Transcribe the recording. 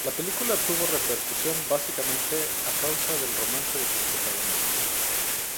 La película tuvo repercusión básicamente a causa del romance de sus protagonistas.